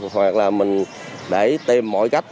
hoặc là mình để tìm mọi cách